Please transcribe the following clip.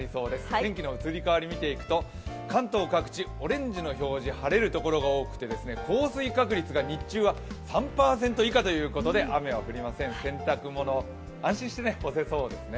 天気の移り変わり、見ていくと関東各地、オレンジの表示、晴れるところが多くて、降水確率が日中は３％以下ということで雨は降りません、洗濯物安心して干せそうですね。